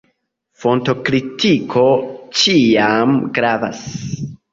Fontokritiko ĉiam gravas.